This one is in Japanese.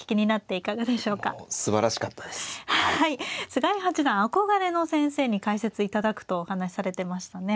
菅井八段憧れの先生に解説いただくとお話しされてましたね。